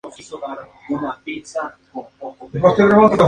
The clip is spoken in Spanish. Fue educado en un hogar religioso tradicional.